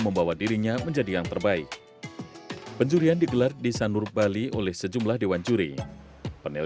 saya menggambar itu memang hobi dari kecil